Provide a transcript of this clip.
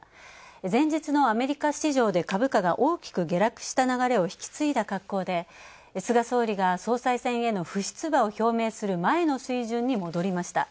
前日のアメリカ市場で株価が大きく下落した流れを引き継いだ格好で、菅総理が総裁選への不出馬を表明する前の水準に戻りました。